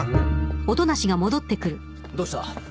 どうした？